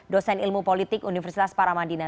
dosen ilmu politik universitas paramadina